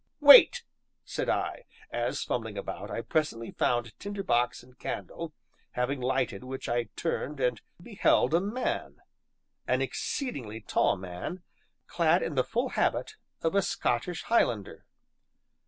"Wait!" said I, as, fumbling about, I presently found tinder box and candle, having lighted which I turned and beheld a man an exceedingly tall man clad in the full habit of a Scottish Highlander.